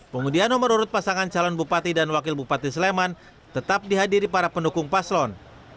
pengundian nomor urut pasangan calon bupati dan wakil bupati sleman tetap dihadiri para pendukung paslon